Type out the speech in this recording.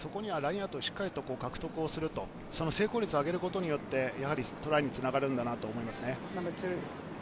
そこにラインアウト、しっかり獲得をする、成功率を上げることによって、トライにつながるんだなと思います。